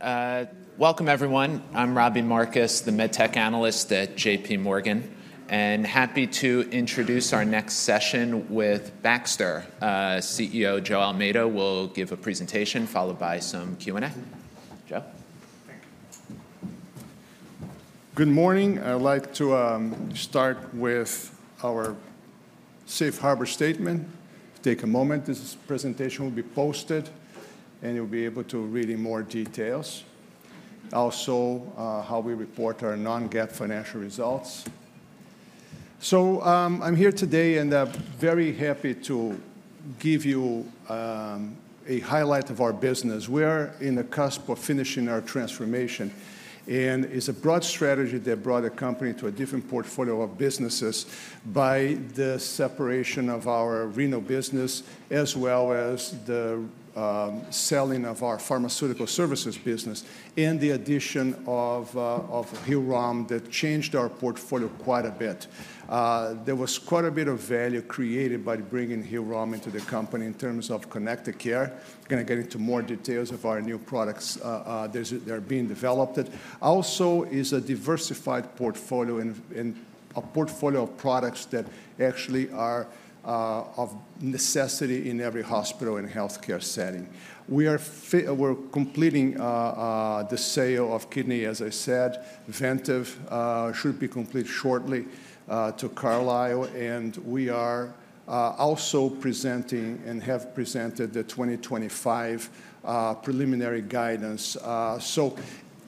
All right. Welcome, everyone. I'm Robbie Marcus, the MedTech analyst at J.P. Morgan, and happy to introduce our next session with Baxter. CEO José Almeida will give a presentation followed by some Q&A. José? Thank you. Good morning. I'd like to start with our Safe Harbor Statement. Take a moment. This presentation will be posted, and you'll be able to read more details. Also, how we report our non-GAAP financial results. So I'm here today, and I'm very happy to give you a highlight of our business. We're on the cusp of finishing our transformation, and it's a broad strategy that brought the company to a different portfolio of businesses by the separation of our renal business, as well as the selling of our pharmaceutical services business, and the addition of Hillrom that changed our portfolio quite a bit. There was quite a bit of value created by bringing Hillrom into the company in terms of connected care. We're going to get into more details of our new products that are being developed. Also, it's a diversified portfolio and a portfolio of products that actually are of necessity in every hospital and healthcare setting. We are completing the sale of kidney, as I said. Vantive should be completed shortly to Carlyle, and we are also presenting and have presented the 2025 preliminary guidance. So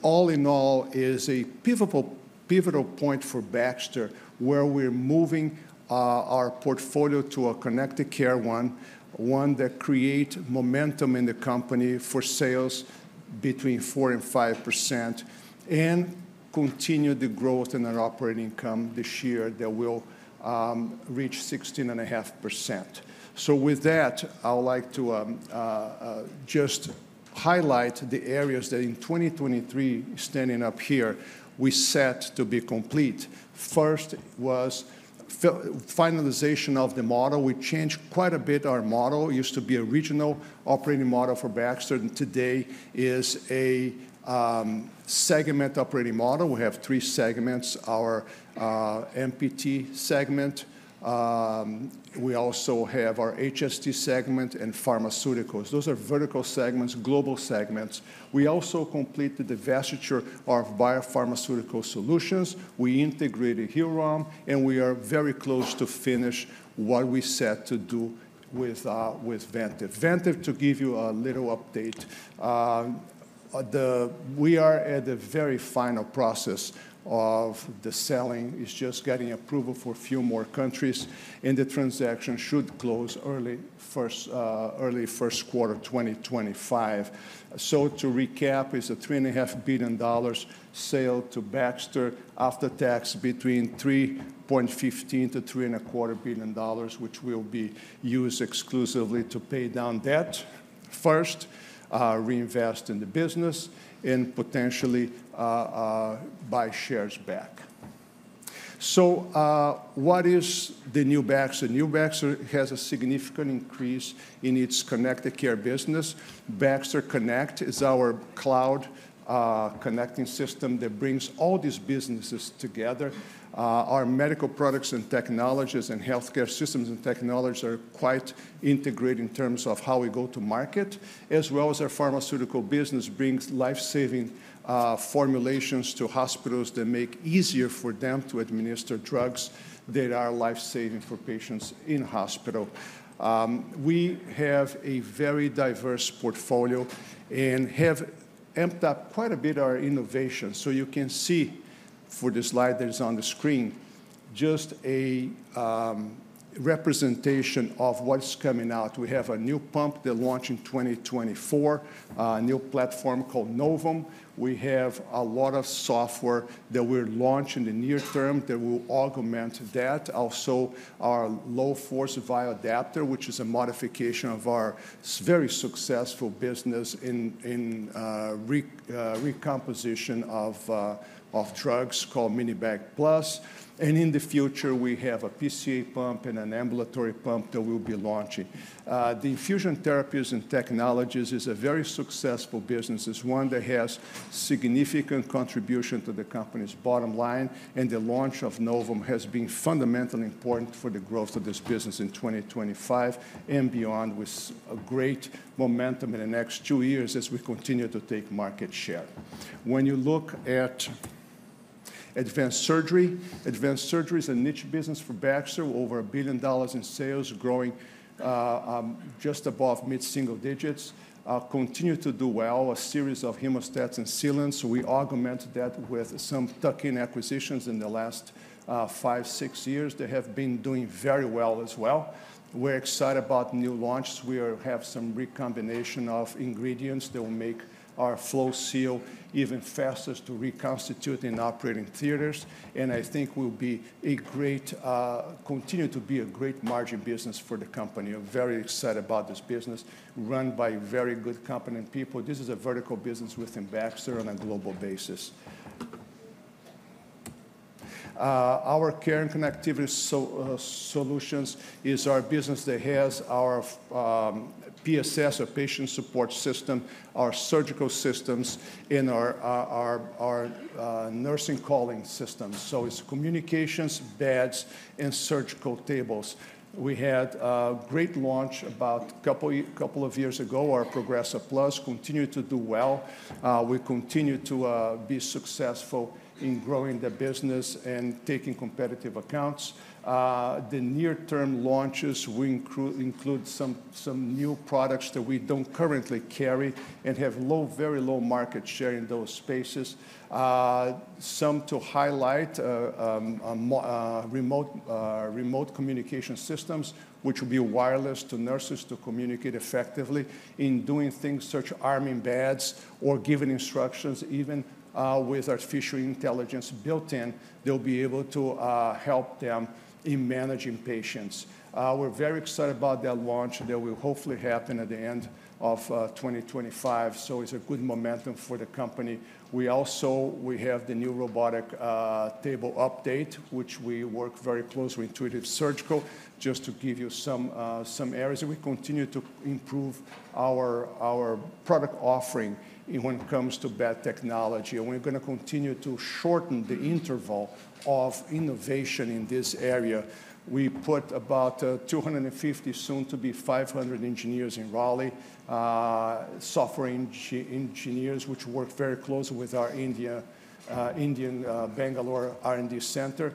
all in all, it's a pivotal point for Baxter, where we're moving our portfolio to a connected care one, one that creates momentum in the company for sales between 4% and 5%, and continue the growth in our operating income this year that will reach 16.5%. So with that, I would like to just highlight the areas that in 2023, standing up here, we set to be complete. First was finalization of the model. We changed quite a bit our model. It used to be a regional operating model for Baxter, and today it is a segment operating model. We have three segments: our MPT segment. We also have our HST segment and pharmaceuticals. Those are vertical segments, global segments. We also completed the divestiture of biopharmaceutical solutions. We integrated Hillrom, and we are very close to finishing what we set to do with Vantive. Vantive, to give you a little update, we are at the very final process of the selling. It's just getting approval for a few more countries, and the transaction should close early first quarter 2025. To recap, it's a $3.5 billion sale to Baxter after tax between $3.15-$3.25 billion, which will be used exclusively to pay down debt first, reinvest in the business, and potentially buy shares back. What is the new Baxter? The new Baxter has a significant increase in its connected care business. BaxConnect is our cloud connecting system that brings all these businesses together. Our Medical Products and Therapies and Healthcare Systems and Technologies are quite integrated in terms of how we go to market, as well as our pharmaceuticals business brings lifesaving formulations to hospitals that make it easier for them to administer drugs that are lifesaving for patients in hospital. We have a very diverse portfolio and have amped up quite a bit our innovation, so you can see for the slide that is on the screen just a representation of what's coming out. We have a new pump that launched in 2024, a new platform called Novum. We have a lot of software that we're launching in the near term that will augment that. Also, our low-force vial adapter, which is a modification of our very successful business in recomposition of drugs called Mini-Bag Plus, and in the future, we have a PCA pump and an ambulatory pump that we'll be launching. The infusion therapies and technologies is a very successful business. It's one that has significant contribution to the company's bottom line, and the launch of Novum has been fundamentally important for the growth of this business in 2025 and beyond with great momentum in the next two years as we continue to take market share. When you look at advanced surgery, advanced surgery is a niche business for Baxter, over $1 billion in sales, growing just above mid-single digits. Continue to do well, a series of hemostats and sealants. We augmented that with some tuck-in acquisitions in the last five, six years that have been doing very well as well. We're excited about new launches. We have some recombination of ingredients that will make our FloSeal even faster to reconstitute in operating theaters. I think we'll continue to be a great margin business for the company. I'm very excited about this business run by very good company and people. This is a vertical business within Baxter on a global basis. Our Care and Connectivity Solutions is our business that has our PSS, our patient support system, our surgical systems, and our nursing calling systems. It's communications, beds, and surgical tables. We had a great launch about a couple of years ago, our Progressa Plus. It continues to do well. We continue to be successful in growing the business and taking competitive accounts. The near-term launches include some new products that we don't currently carry and have very low market share in those spaces. Some to highlight, remote communication systems, which will be wireless to nurses to communicate effectively in doing things such as arming beds or giving instructions even with artificial intelligence built in. They'll be able to help them in managing patients. We're very excited about that launch that will hopefully happen at the end of 2025, so it's a good momentum for the company. We also have the new robotic table update, which we work very closely with Intuitive Surgical just to give you some areas. We continue to improve our product offering when it comes to bed technology, and we're going to continue to shorten the interval of innovation in this area. We put about 250, soon to be 500, engineers in Raleigh, software engineers, which work very closely with our Indian Bangalore R&D Center.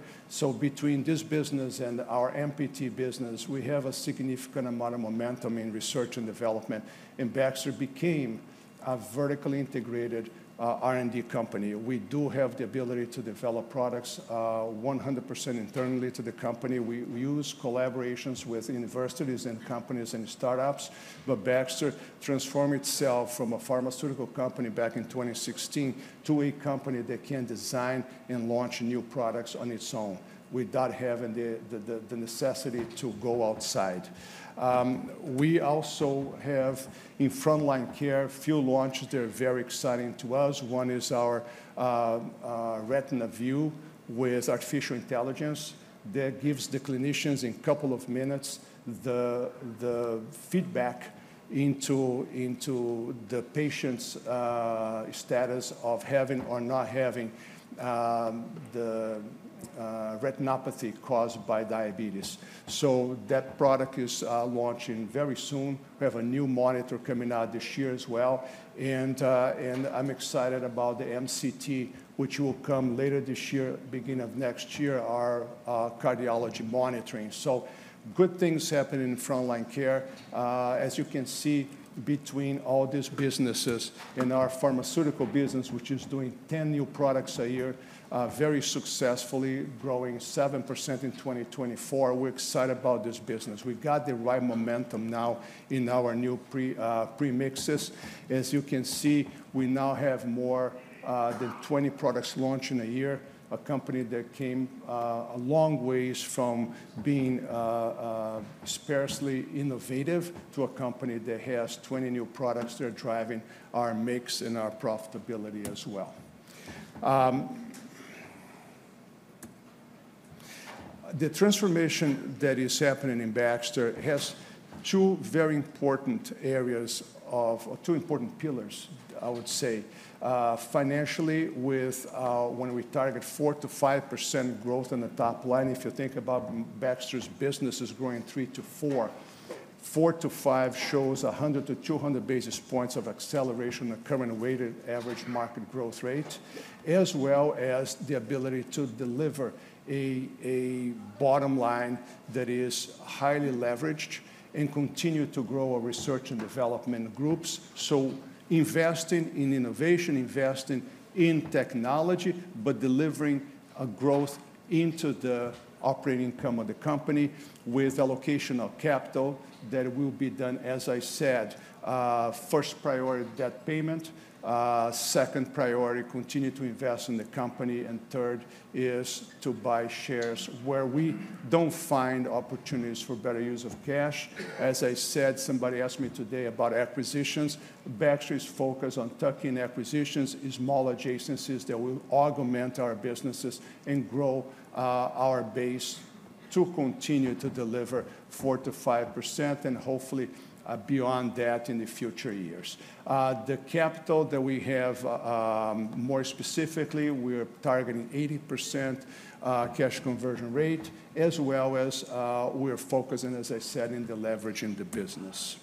Between this business and our MPT business, we have a significant amount of momentum in research and development. Baxter became a vertically integrated R&D company. We do have the ability to develop products 100% internally to the company. We use collaborations with universities and companies and startups. Baxter transformed itself from a pharmaceutical company back in 2016 to a company that can design and launch new products on its own without having the necessity to go outside. We also have in Front Line Care a few launches that are very exciting to us. One is our RetinaVue with artificial intelligence that gives the clinicians in a couple of minutes the feedback into the patient's status of having or not having the retinopathy caused by diabetes. That product is launching very soon. We have a new monitor coming out this year as well. I'm excited about the MCT, which will come later this year, beginning of next year, our cardiology monitoring. Good things happen in Front Line Care. As you can see, between all these businesses and our pharmaceutical business, which is doing 10 new products a year, very successfully growing 7% in 2024. We're excited about this business. We've got the right momentum now in our new premixes. As you can see, we now have more than 20 products launched in a year, a company that came a long way from being sparsely innovative to a company that has 20 new products that are driving our mix and our profitability as well. The transformation that is happening in Baxter has two very important areas of two important pillars, I would say. Financially, when we target 4%-5% growth on the top line, if you think about Baxter's business is growing 3%-4%, 4%-5% shows 100-200 basis points of acceleration in the current weighted average market growth rate, as well as the ability to deliver a bottom line that is highly leveraged and continue to grow our research and development groups. So investing in innovation, investing in technology, but delivering a growth into the operating income of the company with allocation of capital that will be done, as I said, first priority debt payment, second priority continue to invest in the company, and third is to buy shares where we don't find opportunities for better use of cash. As I said, somebody asked me today about acquisitions. Baxter is focused on tuck-in acquisitions, small adjacencies that will augment our businesses and grow our base to continue to deliver 4% to 5%, and hopefully beyond that in the future years. The capital that we have, more specifically, we're targeting 80% cash conversion rate, as well as we're focusing, as I said, in the leveraging the business.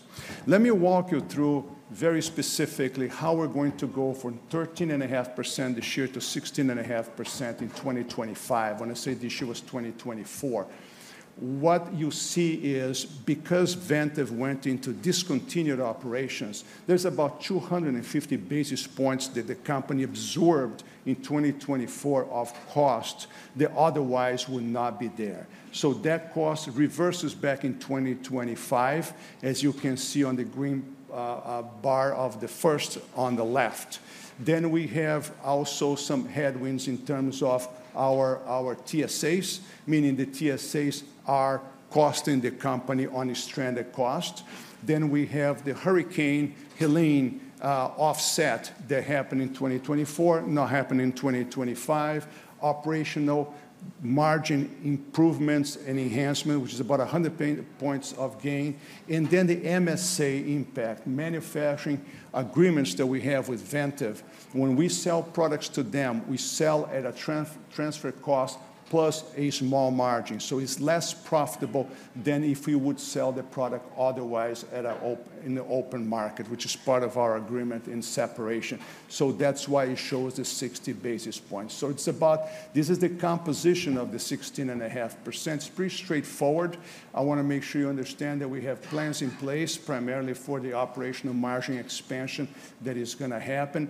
Let me walk you through very specifically how we're going to go from 13.5% this year to 16.5% in 2025. When I say this year was 2024, what you see is because Vantive went into discontinued operations, there's about 250 basis points that the company absorbed in 2024 of cost that otherwise would not be there. So that cost reverses back in 2025, as you can see on the green bar of the first on the left. Then we have also some headwinds in terms of our TSAs, meaning the TSAs are costing the company on its stranded cost. Then we have the Hurricane Helene offset that happened in 2024, not happened in 2025, operational margin improvements and enhancement, which is about 100 points of gain. And then the MSA impact, manufacturing agreements that we have with Vantive. When we sell products to them, we sell at a transfer cost plus a small margin. So it's less profitable than if we would sell the product otherwise in the open market, which is part of our agreement in separation. So that's why it shows the 60 basis points. So this is the composition of the 16.5%. It's pretty straightforward. I want to make sure you understand that we have plans in place primarily for the operational margin expansion that is going to happen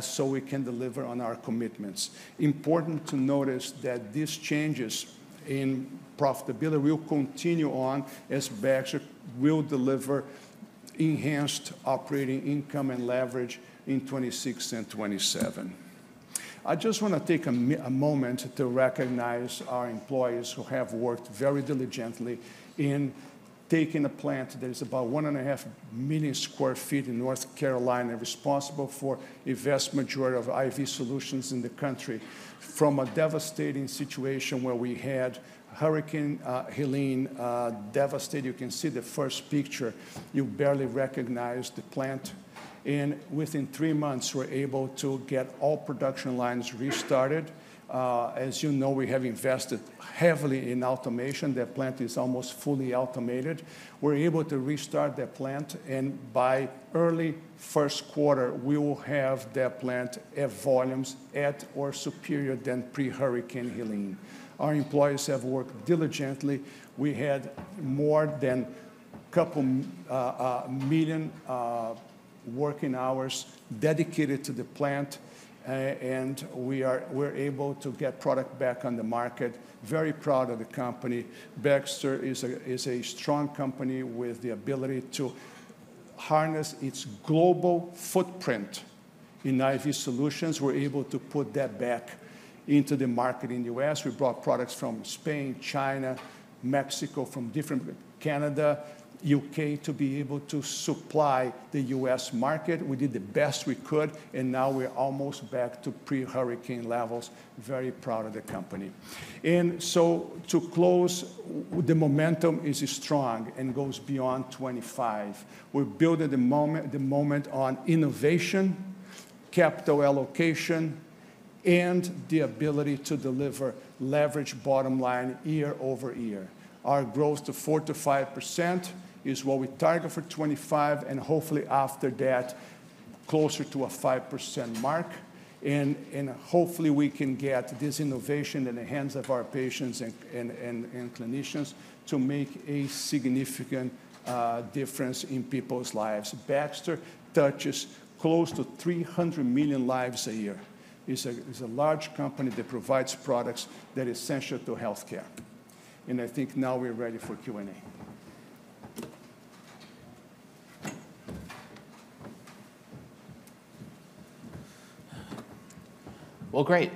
so we can deliver on our commitments. Important to notice that these changes in profitability will continue on as Baxter will deliver enhanced operating income and leverage in 2026 and 2027. I just want to take a moment to recognize our employees who have worked very diligently in taking a plant that is about 1.5 million sq ft in North Carolina responsible for the vast majority of IV solutions in the country. From a devastating situation where we had Hurricane Helene devastate, you can see the first picture. You barely recognize the plant, and within three months, we're able to get all production lines restarted. As you know, we have invested heavily in automation. That plant is almost fully automated. We're able to restart that plant and by early first quarter, we will have that plant at volumes at or superior than pre-Hurricane Helene. Our employees have worked diligently. We had more than a couple million working hours dedicated to the plant, and we're able to get product back on the market. Very proud of the company. Baxter is a strong company with the ability to harness its global footprint in IV solutions. We're able to put that back into the market in the U.S. We brought products from Spain, China, Mexico, Canada, U.K. to be able to supply the U.S. market. We did the best we could, and now we're almost back to pre-Hurricane levels. Very proud of the company. And so to close, the momentum is strong and goes beyond 2025. We're building the momentum on innovation, capital allocation, and the ability to deliver leveraged bottom line year over year. Our growth to 4%-5% is what we target for 2025, and hopefully after that, closer to a 5% mark. And hopefully we can get this innovation in the hands of our patients and clinicians to make a significant difference in people's lives. Baxter touches close to 300 million lives a year. It's a large company that provides products that are essential to healthcare. And I think now we're ready for Q&A. Well, great.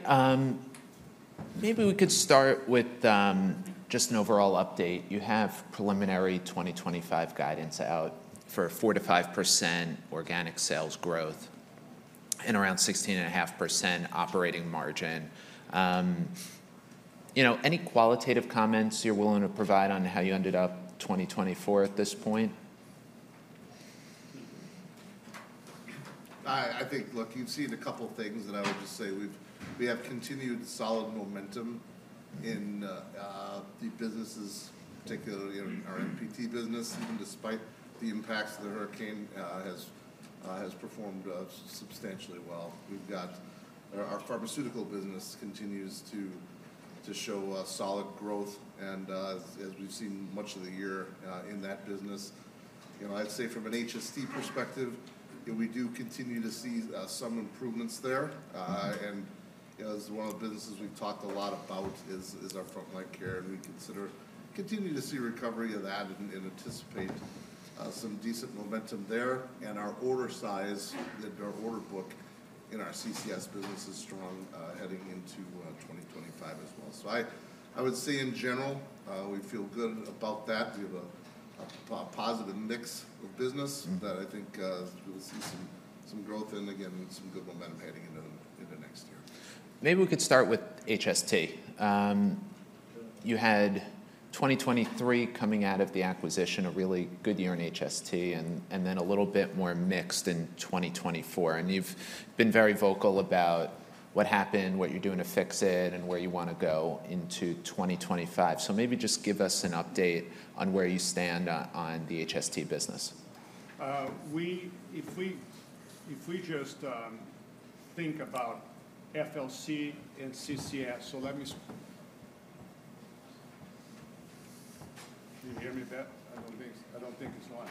Maybe we could start with just an overall update. You have preliminary 2025 guidance out for 4%-5% organic sales growth and around 16.5% operating margin. Any qualitative comments you're willing to provide on how you ended up 2024 at this point? I think, look, you've seen a couple of things that I would just say. We have continued solid momentum in the businesses, particularly our MPT business, even despite the impacts the hurricane has performed substantially well. Our pharmaceutical business continues to show solid growth, and as we've seen much of the year in that business. I'd say from an HST perspective, we do continue to see some improvements there, and as one of the businesses we've talked a lot about is our Front Line Care, we continue to see recovery of that and anticipate some decent momentum there, and our order size, our order book in our CCS business is strong heading into 2025 as well, so I would say in general, we feel good about that. We have a positive mix of business that I think we'll see some growth in again and some good momentum heading into next year. Maybe we could start with HST. You had 2023 coming out of the acquisition, a really good year in HST, and then a little bit more mixed in 2024, and you've been very vocal about what happened, what you're doing to fix it, and where you want to go into 2025, so maybe just give us an update on where you stand on the HST business. If we just think about FLC and CCS, so let me, can you hear me better? I don't think it's on.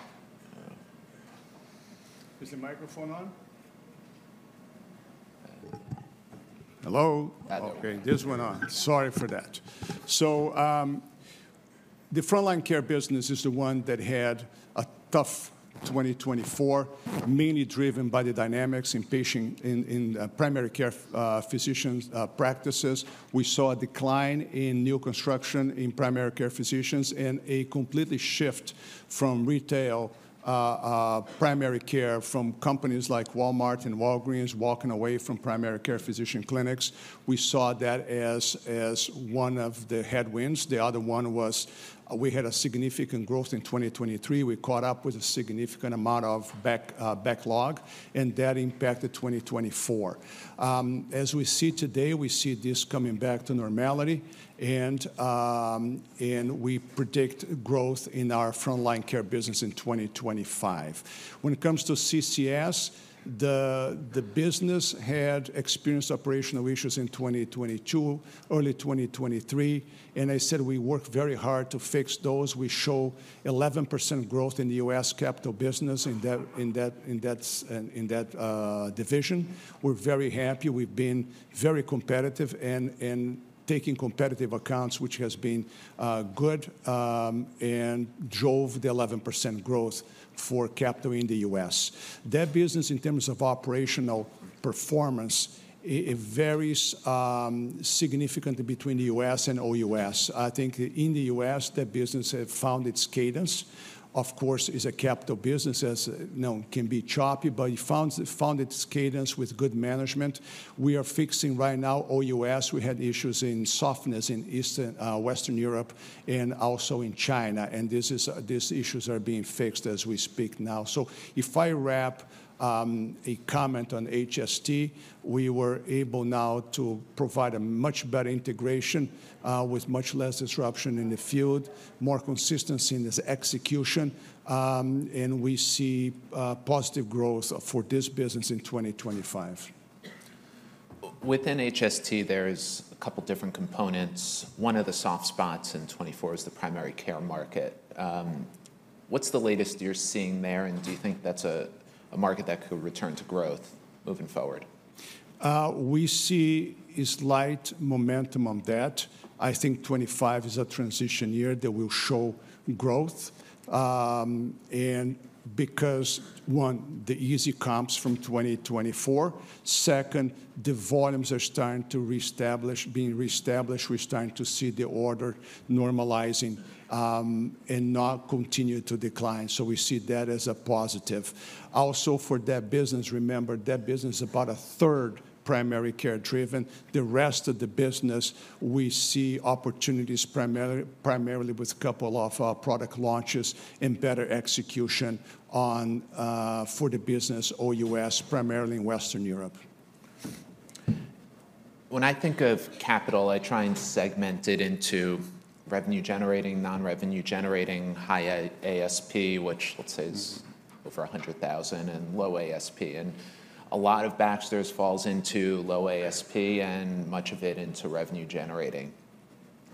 Is the microphone on? Hello. Okay. This is on. Sorry for that, so the Front Line Care business is the one that had a tough 2024, mainly driven by the dynamics in primary care physician practices. We saw a decline in new construction in primary care physicians and a complete shift from retail primary care from companies like Walmart and Walgreens walking away from primary care physician clinics. We saw that as one of the headwinds. The other one was we had a significant growth in 2023. We caught up with a significant amount of backlog, and that impacted 2024. As we see today, we see this coming back to normality, and we predict growth in our Front Line Care business in 2025. When it comes to CCS, the business had experienced operational issues in 2022, early 2023, and I said we worked very hard to fix those. We show 11% growth in the U.S. capital business in that division. We're very happy. We've been very competitive and taking competitive accounts, which has been good and drove the 11% growth for capital in the U.S. That business, in terms of operational performance, varies significantly between the U.S. and OUS. I think in the U.S., that business has found its cadence. Of course, it's a capital business. It can be choppy, but it found its cadence with good management. We are fixing right now OUS. We had issues in softness in Western Europe and also in China, and these issues are being fixed as we speak now, so if I wrap a comment on HST, we were able now to provide a much better integration with much less disruption in the field, more consistency in this execution, and we see positive growth for this business in 2025. Within HST, there's a couple of different components. One of the soft spots in 2024 is the primary care market. What's the latest you're seeing there, and do you think that's a market that could return to growth moving forward? We see slight momentum on that. I think 2025 is a transition year that will show growth, and because, one, the easy comes from 2024. Second, the volumes are starting to be reestablished. We're starting to see the order normalizing and not continue to decline, so we see that as a positive. Also, for that business, remember, that business is about a third primary care driven. The rest of the business, we see opportunities primarily with a couple of product launches and better execution for the business OUS, primarily in Western Europe. When I think of capital, I try and segment it into revenue-generating, non-revenue-generating, high ASP, which let's say is over 100,000, and low ASP. And a lot of Baxter's falls into low ASP and much of it into revenue-generating,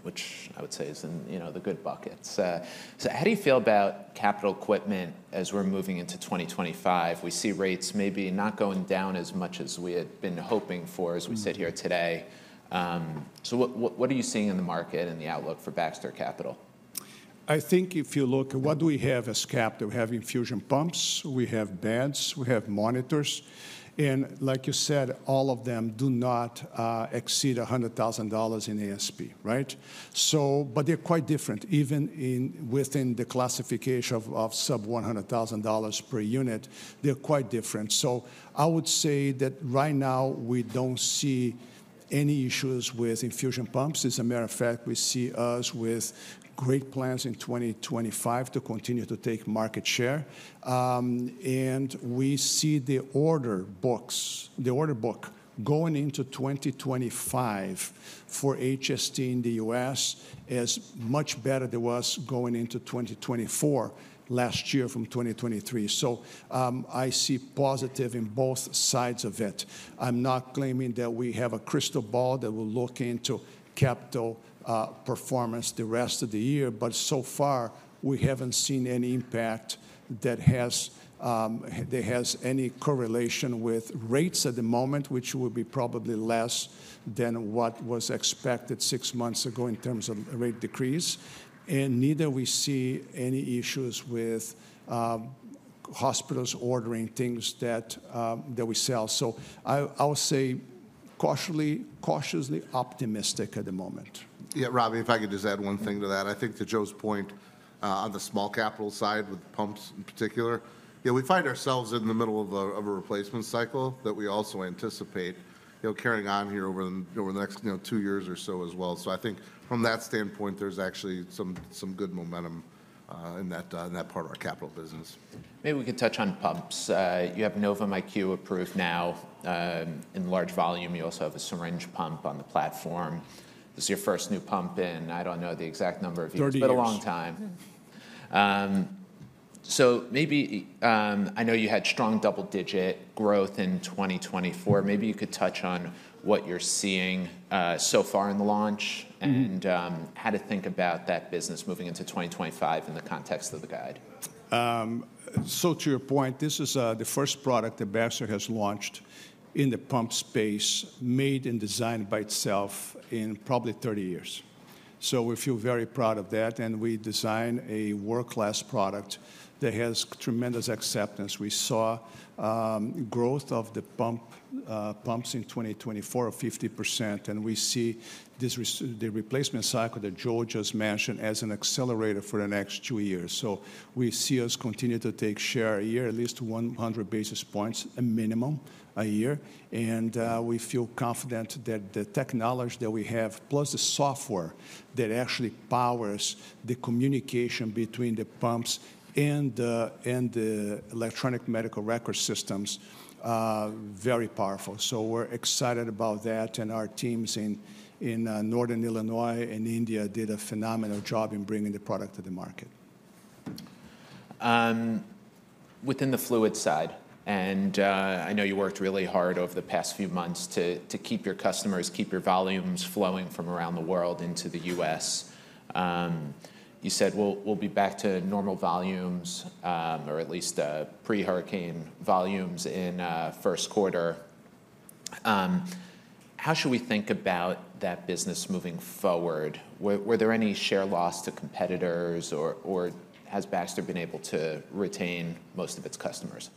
which I would say is in the good buckets. So how do you feel about capital equipment as we're moving into 2025? We see rates maybe not going down as much as we had been hoping for as we sit here today. So what are you seeing in the market and the outlook for Baxter Capital? I think if you look at what do we have as capital, we have infusion pumps, we have beds, we have monitors. And like you said, all of them do not exceed $100,000 in ASP, right? But they're quite different. Even within the classification of sub $100,000 per unit, they're quite different. So I would say that right now we don't see any issues with infusion pumps. As a matter of fact, we see us with great plans in 2025 to continue to take market share. We see the order books going into 2025 for HST in the U.S. as much better than it was going into 2024 last year from 2023. So I see positive in both sides of it. I'm not claiming that we have a crystal ball that will look into capital performance the rest of the year, but so far we haven't seen any impact that has any correlation with rates at the moment, which would be probably less than what was expected six months ago in terms of rate decrease. And neither we see any issues with hospitals ordering things that we sell. So I would say cautiously optimistic at the moment. Yeah, Robbie, if I could just add one thing to that. I think to José point on the small capital side with pumps in particular, we find ourselves in the middle of a replacement cycle that we also anticipate carrying on here over the next two years or so as well. So I think from that standpoint, there's actually some good momentum in that part of our capital business. Maybe we could touch on pumps. You have Novum IQ approved now in large volume. You also have a syringe pump on the platform. This is your first new pump in, I don't know the exact number of years, but a long time. So maybe I know you had strong double-digit growth in 2024. Maybe you could touch on what you're seeing so far in the launch and how to think about that business moving into 2025 in the context of the guide. So to your point, this is the first product that Baxter has launched in the pump space made and designed by itself in probably 30 years. So we feel very proud of that. And we designed a world-class product that has tremendous acceptance. We saw growth of the pumps in 2024 of 50%. And we see the replacement cycle that Joe just mentioned as an accelerator for the next two years. So we see us continue to take share a year, at least 100 basis points a minimum a year. And we feel confident that the technology that we have, plus the software that actually powers the communication between the pumps and the electronic medical record systems, very powerful. So we're excited about that. And our teams in Northern Illinois and India did a phenomenal job in bringing the product to the market. Within the fluid side, and I know you worked really hard over the past few months to keep your customers, keep your volumes flowing from around the world into the U.S. You said, "We'll be back to normal volumes or at least pre-hurricane volumes in first quarter." How should we think about that business moving forward? Were there any share loss to competitors, or has Baxter been able to retain most of its customers?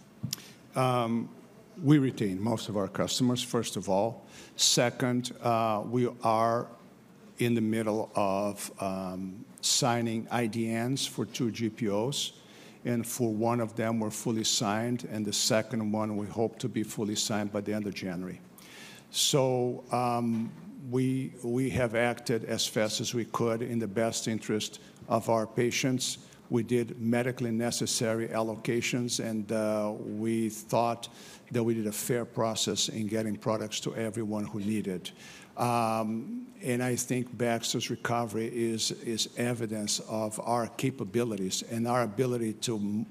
We retained most of our customers, first of all. Second, we are in the middle of signing IDNs for two GPOs, and for one of them, we're fully signed, and the second one, we hope to be fully signed by the end of January. So we have acted as fast as we could in the best interest of our patients. We did medically necessary allocations, and we thought that we did a fair process in getting products to everyone who needed. I think Baxter's recovery is evidence of our capabilities and our ability to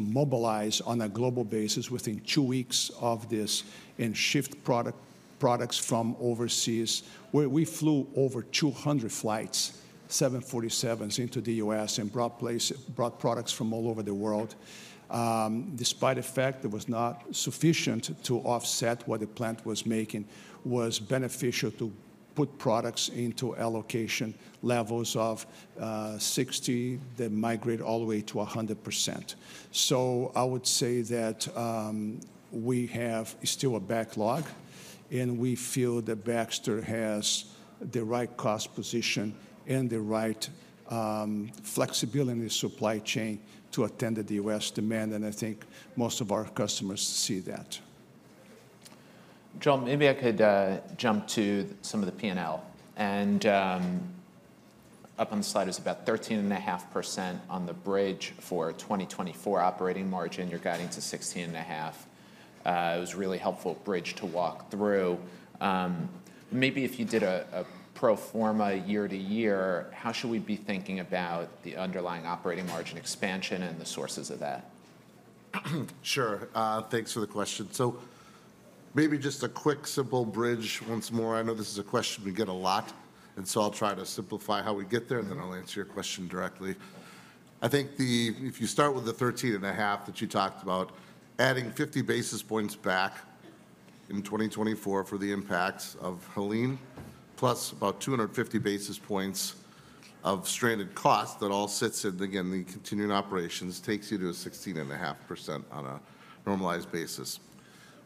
mobilize on a global basis within two weeks of this and shift products from overseas. We flew over 200 flights, 747s into the U.S. and brought products from all over the world. Despite the fact it was not sufficient to offset what the plant was making, it was beneficial to put products into allocation levels of 60% that migrate all the way to 100%. I would say that we have still a backlog, and we feel that Baxter has the right cost position and the right flexibility in the supply chain to attend to the U.S. demand. I think most of our customers see that. Joel, maybe I could jump to some of the P&L. And up on the slide is about 13.5% on the bridge for 2024 operating margin. You're guiding to 16.5%. It was a really helpful bridge to walk through. Maybe if you did a pro forma year to year, how should we be thinking about the underlying operating margin expansion and the sources of that? Sure. Thanks for the question. So maybe just a quick, simple bridge once more. I know this is a question we get a lot, and so I'll try to simplify how we get there, and then I'll answer your question directly. I think if you start with the 13.5% that you talked about, adding 50 basis points back in 2024 for the impacts of Helene plus about 250 basis points of stranded cost that all sits in, again, the continuing operations takes you to a 16.5% on a normalized basis.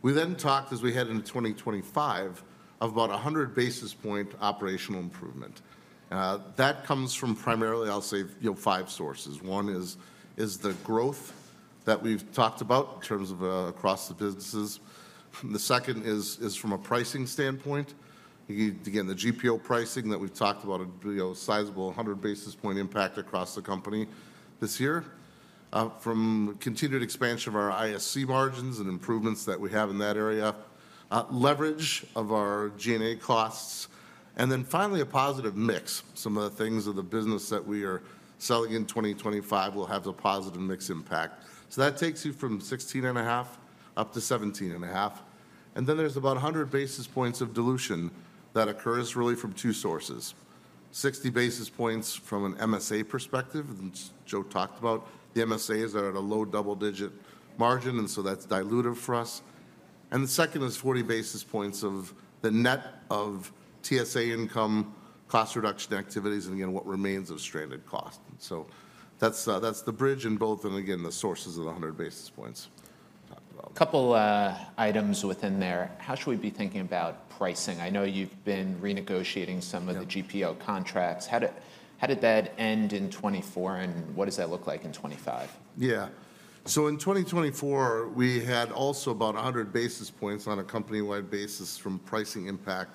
We then talked, as we head into 2025, of about 100 basis point operational improvement. That comes from primarily, I'll say, five sources. One is the growth that we've talked about in terms of across the businesses. The second is from a pricing standpoint. Again, the GPO pricing that we've talked about, a sizable 100 basis point impact across the company this year from continued expansion of our ISC margins and improvements that we have in that area, leverage of our G&A costs. And then finally, a positive mix. Some of the things of the business that we are selling in 2025 will have a positive mix impact. So that takes you from 16.5% to 17.5%. And then there's about 100 basis points of dilution that occurs really from two sources. 60 basis points from an MSA perspective, as Joe talked about. The MSAs are at a low double-digit margin, and so that's dilutive for us. And the second is 40 basis points of the net of TSA income cost reduction activities and, again, what remains of stranded cost. So that's the bridge in both, and again, the sources of the 100 basis points. A couple of items within there. How should we be thinking about pricing? I know you've been renegotiating some of the GPO contracts. How did that end in 2024, and what does that look like in 2025? Yeah. So in 2024, we had also about 100 basis points on a company-wide basis from pricing impact,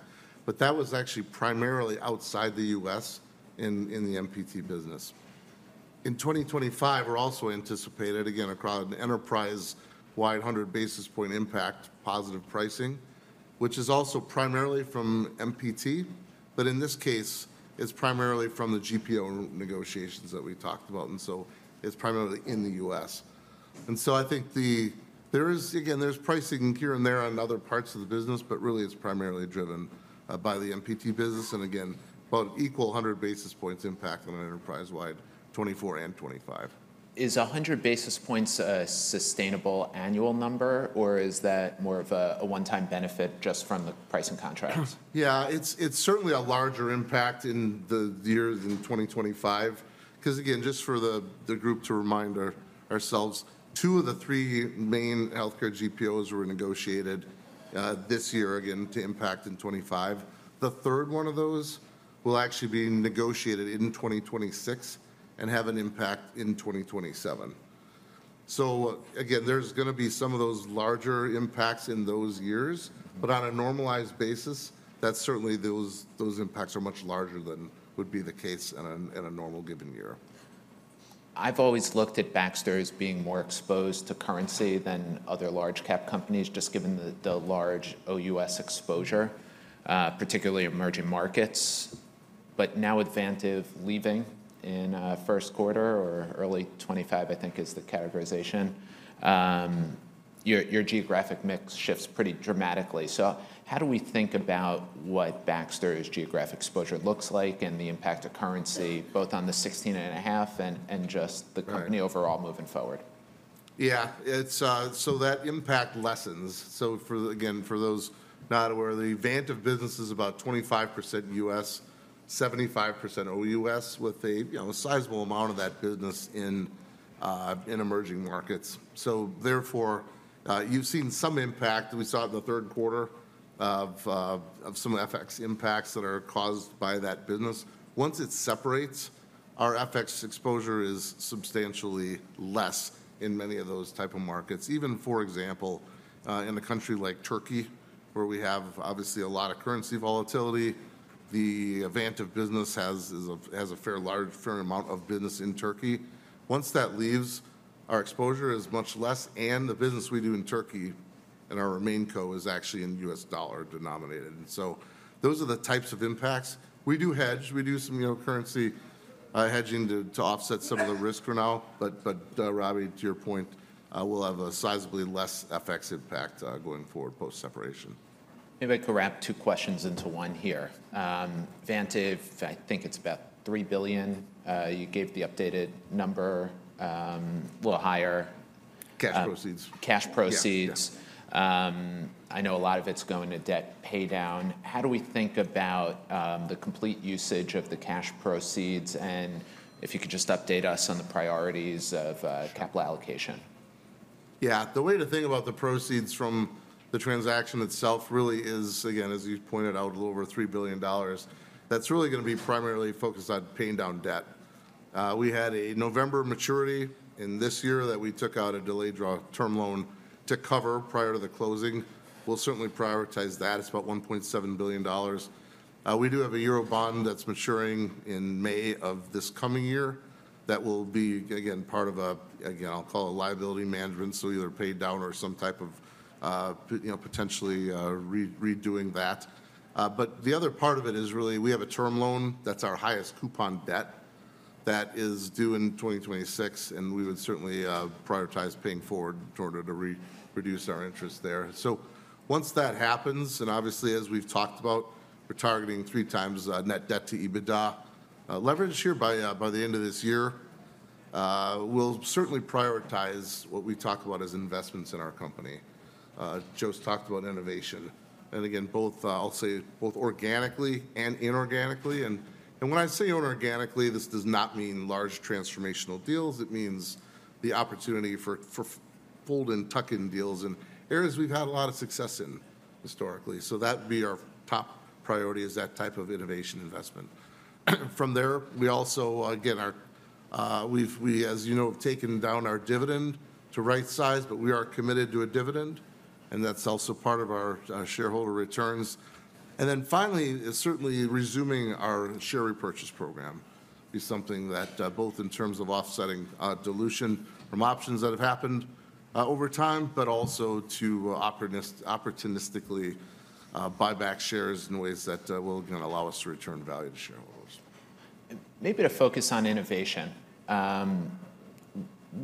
but that was actually primarily outside the U.S. in the MPT business. In 2025, we're also anticipated, again, across an enterprise-wide 100 basis point impact positive pricing, which is also primarily from MPT, but in this case, it's primarily from the GPO negotiations that we talked about. And so it's primarily in the U.S. And so I think there is, again, there's pricing here and there on other parts of the business, but really it's primarily driven by the MPT business. And again, about equal 100 basis points impact on an enterprise-wide 2024 and 2025. Is 100 basis points a sustainable annual number, or is that more of a one-time benefit just from the pricing contracts? Yeah, it's certainly a larger impact in the year in 2025. Because again, just for the group to remind ourselves, two of the three main healthcare GPOs were negotiated this year, again, to impact in 2025. The third one of those will actually be negotiated in 2026 and have an impact in 2027. So again, there's going to be some of those larger impacts in those years, but on a normalized basis, that certainly those impacts are much larger than would be the case in a normal given year. I've always looked at Baxter as being more exposed to currency than other large-cap companies, just given the large OUS exposure, particularly emerging markets. But now Vantive leaving in first quarter or early 2025, I think is the categorization. Your geographic mix shifts pretty dramatically. So how do we think about what Baxter's geographic exposure looks like and the impact of currency, both on the 16.5 and just the company overall moving forward? Yeah. That impact lessens. Again, for those not aware, the Vantive business is about 25% U.S., 75% OUS, with a sizable amount of that business in emerging markets. Therefore, you've seen some impact. We saw it in the third quarter of some FX impacts that are caused by that business. Once it separates, our FX exposure is substantially less in many of those types of markets. Even, for example, in a country like Turkey, where we have obviously a lot of currency volatility, the Vantive business has a fair amount of business in Turkey. Once that leaves, our exposure is much less, and the business we do in Turkey and our main core is actually in U.S. dollar denominated. And so those are the types of impacts. We do hedge. We do some currency hedging to offset some of the risk for now. But Robbie, to your point, we'll have a sizably less FX impact going forward post-separation. Maybe I could wrap two questions into one here. Vantive, I think it's about $3 billion. You gave the updated number a little higher. Cash proceeds. Cash proceeds. I know a lot of it's going to debt pay down. How do we think about the complete usage of the cash proceeds? And if you could just update us on the priorities of capital allocation. Yeah. The way to think about the proceeds from the transaction itself really is, again, as you pointed out, a little over $3 billion. That's really going to be primarily focused on paying down debt. We had a November maturity in this year that we took out a delayed term loan to cover prior to the closing. We'll certainly prioritize that. It's about $1.7 billion. We do have a EUR bond that's maturing in May of this coming year that will be, again, part of a, again, I'll call it liability management. So either pay down or some type of potentially redoing that. But the other part of it is really we have a term loan that's our highest coupon debt that is due in 2026, and we would certainly prioritize paying forward in order to reduce our interest there. So once that happens, and obviously, as we've talked about, we're targeting three times net debt to EBITDA leverage here by the end of this year. We'll certainly prioritize what we talk about as investments in our company. José talked about innovation. And again, I'll say both organically and inorganically. And when I say inorganically, this does not mean large transformational deals. It means the opportunity for bolt-on and tuck-in deals in areas we've had a lot of success in historically. So that would be our top priority is that type of innovation investment. From there, we also, again, as you know, have taken down our dividend to right-size, but we are committed to a dividend, and that's also part of our shareholder returns. And then finally, certainly resuming our share repurchase program would be something that both in terms of offsetting dilution from options that have happened over time, but also to opportunistically buy back shares in ways that will, again, allow us to return value to shareholders. Maybe to focus on innovation.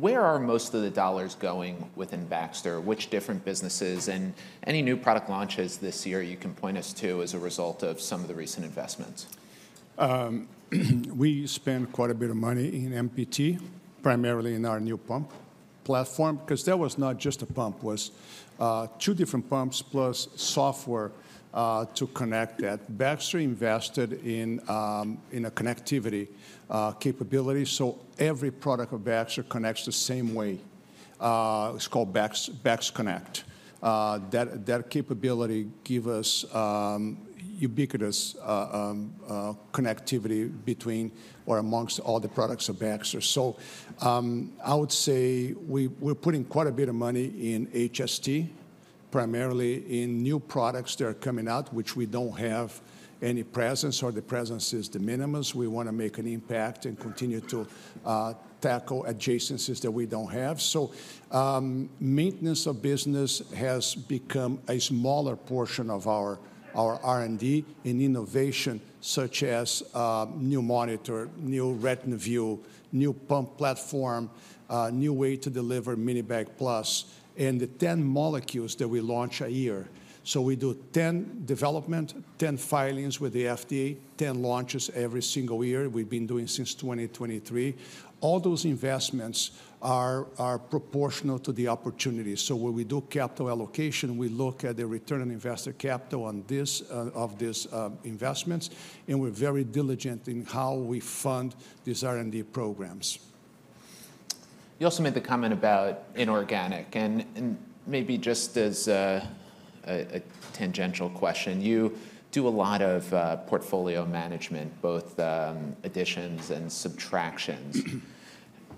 Where are most of the dollars going within Baxter? Which different businesses and any new product launches this year you can point us to as a result of some of the recent investments? We spent quite a bit of money in MPT, primarily in our new pump platform, because that was not just a pump. It was two different pumps plus software to connect that. Baxter invested in a connectivity capability. So every product of Baxter connects the same way. It's called BaxConnect. That capability gave us ubiquitous connectivity between or amongst all the products of Baxter. So I would say we're putting quite a bit of money in HST, primarily in new products that are coming out, which we don't have any presence, or the presence is the minimum. We want to make an impact and continue to tackle adjacencies that we don't have. Maintenance of business has become a smaller portion of our R&D in innovation, such as new monitor, new Retina View, new pump platform, new way to deliver Mini-Bag Plus, and the 10 molecules that we launch a year. We do 10 development, 10 filings with the FDA, 10 launches every single year. We've been doing since 2023. All those investments are proportional to the opportunity. When we do capital allocation, we look at the return on investor capital of these investments, and we're very diligent in how we fund these R&D programs. You also made the comment about inorganic. Maybe just as a tangential question, you do a lot of portfolio management, both additions and subtractions.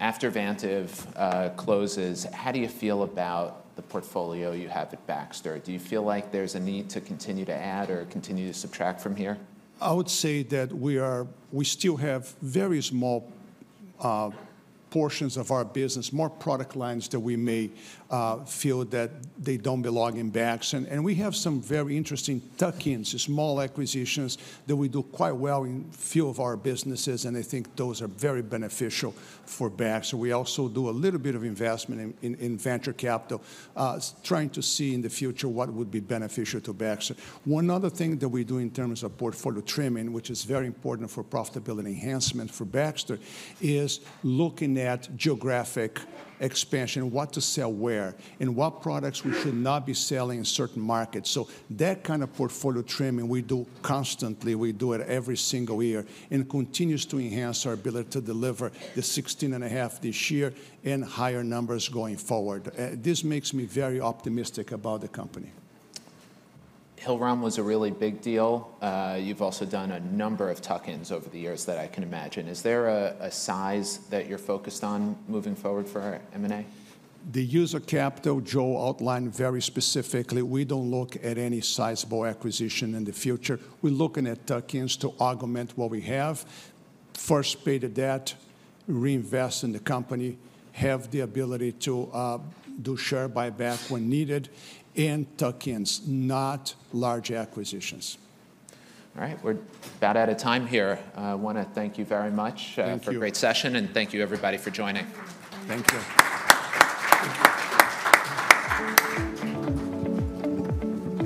After Vantive closes, how do you feel about the portfolio you have at Baxter? Do you feel like there's a need to continue to add or continue to subtract from here? I would say that we still have very small portions of our business, more product lines that we may feel that they don't belong in Baxter, and we have some very interesting tuck-ins, small acquisitions that we do quite well in a few of our businesses, and I think those are very beneficial for Baxter. We also do a little bit of investment in venture capital, trying to see in the future what would be beneficial to Baxter. One other thing that we do in terms of portfolio trimming, which is very important for profitability enhancement for Baxter, is looking at geographic expansion, what to sell where, and what products we should not be selling in certain markets, so that kind of portfolio trimming we do constantly. We do it every single year and continues to enhance our ability to deliver the $16.5 this year and higher numbers going forward. This makes me very optimistic about the company. Hillrom was a really big deal. You've also done a number of tuck-ins over the years that I can imagine. Is there a size that you're focused on moving forward for M&A? The use of capital, Joe outlined very specifically. We don't look at any sizable acquisition in the future. We're looking at tuck-ins to augment what we have, first pay the debt, reinvest in the company, have the ability to do share buyback when needed, and tuck-ins, not large acquisitions. All right. We're about out of time here. I want to thank you very much for a great session, and thank you, everybody, for joining. Thank you.